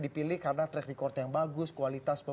dipilih karena track record yang bagus kualitas